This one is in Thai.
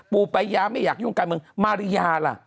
ปัญญาไม่อยากยุ่งการเมืองมาริยาล่ะ